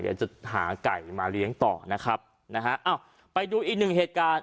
เดี๋ยวจะหาไก่มาเลี้ยงต่อนะครับนะฮะอ้าวไปดูอีกหนึ่งเหตุการณ์